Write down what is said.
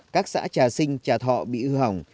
các xã trà sinh trà thọ bị hư hỏng